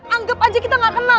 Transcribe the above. anggap aja kita gak kenal